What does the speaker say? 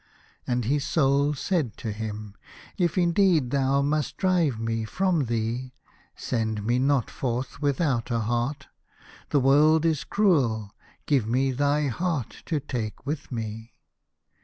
And his Soul said to him, "If indeed thou must drive me from thee, send me not forth without a heart. The world is cruel, give me thy heart to take with me."